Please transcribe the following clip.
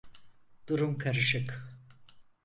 Durum karışık.